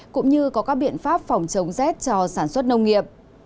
cũng như có các biện pháp phòng chống rét cho sản xuất nông nghiệp